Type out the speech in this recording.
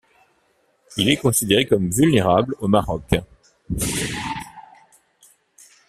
Il est considéré comme vulnérable au Maroc.